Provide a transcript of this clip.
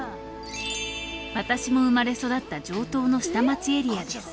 私も生まれ育った城東の下町エリアです。